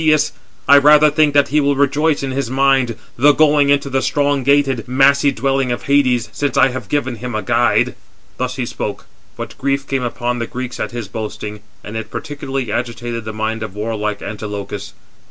"Surely not unavenged lies Asius; I rather think that he will rejoice in his mind, though going into the strong gated, massy [dwelling] of Hades, since I have given him a guide." Thus he spoke; but grief came upon the Greeks at his boasting, and it particularly agitated the mind of warlike Antilochus.